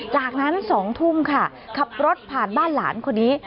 จากนั้น๒ทุ่มค่ะขับรถผ่านบ้านหลานคนนี้